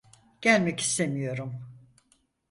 Gelmek istemiyorum.